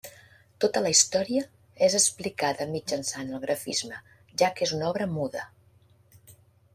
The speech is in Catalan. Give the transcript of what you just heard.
Tota la història és explicada mitjançant el grafisme, ja que és una obra muda.